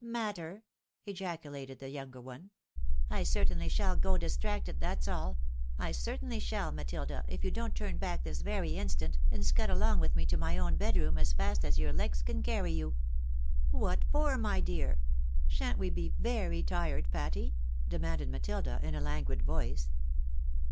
" Matter !" ejaculated the younger one. " I certainly shall go distracted, that's aU— I certainly shall, Matilda, if you don't UNEXPECTED RETURN. 235 turn back this very instant, and scud along witli me to my own bedroom as fast as your legs can carry you." " Wtat for, my dear? Shan't we be very tired, Patty ?" demanded Matilda, in a languid voice.